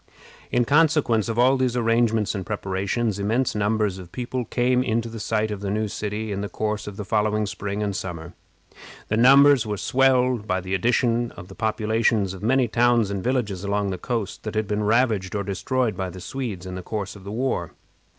In consequence of all these arrangements and preparations, immense numbers of people came in to the site of the new city in the course of the following spring and summer. The numbers were swelled by the addition of the populations of many towns and villages along the coast that had been ravaged or destroyed by the Swedes in the course of the war.